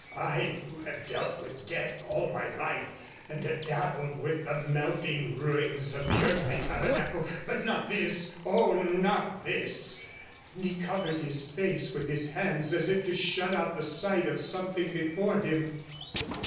I, who have dealt with death all my life, and have dabbled with the melting ruins of the earthly tabernacle. But not this, oh! not this,' and he covered his face with his hands as if to shut out the sight of something before him.